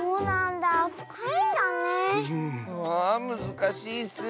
あむずかしいッス。